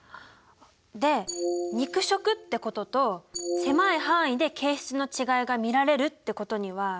で肉食ってことと狭い範囲で形質の違いが見られるってことにはどんな関係があるのかな？